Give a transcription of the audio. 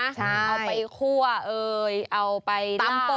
เอาไปคั่วเอ่ยเอาไปตำปู